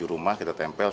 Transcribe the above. tujuh rumah kita tempel